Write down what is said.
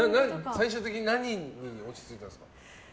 最終的に何に落ち着いたんですか？